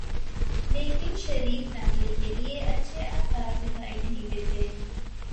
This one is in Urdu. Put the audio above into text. لیکن شریف فیملی کے لیے اچھے آثار دکھائی نہیں دیتے۔